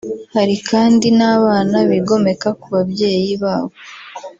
Hari kandi n’abana bigomeka ku babyeyi babo